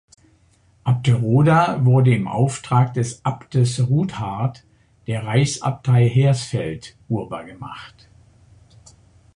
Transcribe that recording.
Abteroda wurde im Auftrag des Abtes Ruthard der Reichsabtei Hersfeld urbar gemacht.